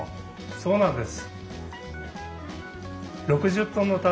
そうなんです。